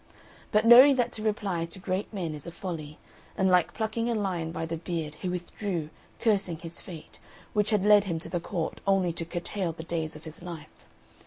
But knowing that to reply to great men is a folly, and like plucking a lion by the beard, he withdrew, cursing his fate, which had led him to the court only to curtail the days of his life.